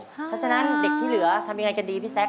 เพราะฉะนั้นเด็กที่เหลือทำยังไงกันดีพี่แซค